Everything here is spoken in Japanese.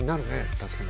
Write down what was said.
確かに。